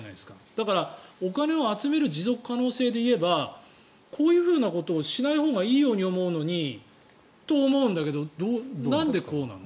だから、お金を集める持続可能性で言えばこういうことをしないほうがいいように思うのにと思うんだけどなんでこうなの？